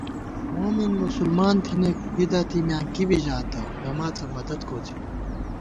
مومِن مسلمان تھنَئیک، بدعتی میاں کِبی ژاتہ، نماڅہ مدد کوڅِیؤ